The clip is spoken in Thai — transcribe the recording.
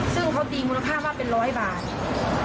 ซึ่งเขาตีมูลค่าว่าเป็นร้อยบาท